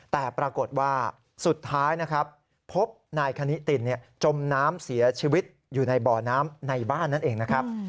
แต่ปรากฏว่าสุดท้ายนะครับพบนายคณิตินจมน้ำเสียชีวิตอยู่ในบ่อน้ำในบ้านนั่นเองนะครับ